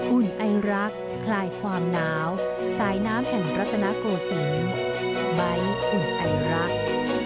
อุ่นไอรักคลายความหนาวสายน้ำแห่งรัฐนาโกศิลป์ใบ้อุ่นไอรัก